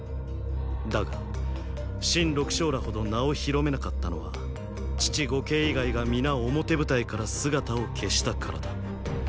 だが秦六将らほど名を広めなかったのは父呉慶以外がみな表舞台から姿を消したからだ。